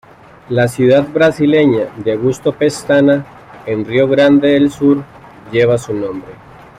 La ciudad brasileña de Augusto Pestana, en Río Grande del Sur, lleva su nombre.